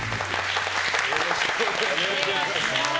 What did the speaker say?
よろしくお願いします。